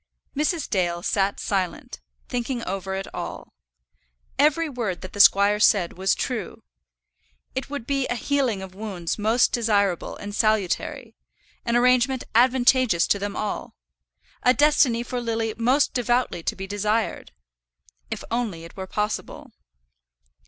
Mrs. Dale sat silent, thinking over it all. Every word that the squire said was true. It would be a healing of wounds most desirable and salutary; an arrangement advantageous to them all; a destiny for Lily most devoutly to be desired, if only it were possible.